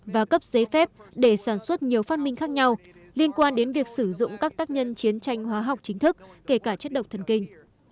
và cấp giấy phép để sản xuất nhiều phát minh khác nhau liên quan đến việc sử dụng các tác nhân chiến tranh hóa học chính thức kể cả chất độc thần kinh